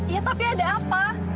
ya tapi ada apa